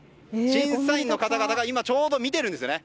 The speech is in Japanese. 審査員の方々が今ちょうど見ているんですね。